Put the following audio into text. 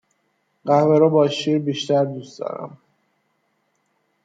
قهوه رو با شیر بیشتر دوست دارم